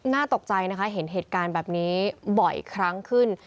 น่าตกใจนะคะเห็นเหตุการณ์แบบนี้บ่อยครั้งขึ้น